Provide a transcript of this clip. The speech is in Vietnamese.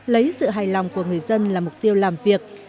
lấy sự hài lòng của người dân là mục tiêu làm việc